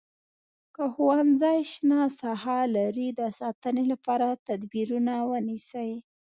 که ښوونځی شنه ساحه لري د ساتنې لپاره تدبیرونه ونیسئ.